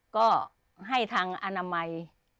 ก็ให้ทางอนามัย